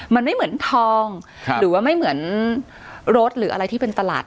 มันไม่เหมือนทองหรือว่าไม่เหมือนรถหรืออะไรที่เป็นตลาด